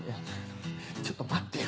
ちょっと待ってよ